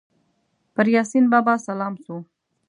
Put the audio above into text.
پر یاسین بابا سلام سو